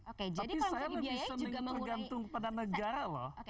tapi saya lebih senang tergantung pada negara loh